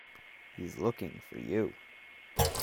He's looking for you.